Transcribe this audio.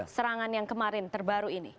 serangan yang kemarin terbaru ini